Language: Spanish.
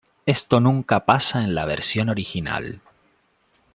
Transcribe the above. Esto nunca pasa en la versión original.